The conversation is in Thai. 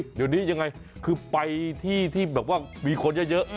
เดี๋ยวนี้ยังไงคือไปที่ที่แบบว่ามีคนเยอะ